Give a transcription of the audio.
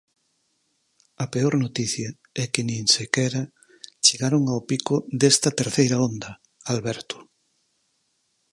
A peor noticia é que nin sequera chegaron ao pico desta terceira onda, Alberto...